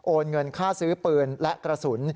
เงินค่าซื้อปืนและกระสุน